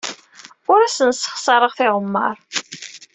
Ur asen-ssexṣareɣ tiɣemmar.